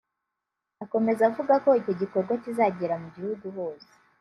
Akomeza avuga ko icyo gikorwa kizagera mu gihugu hose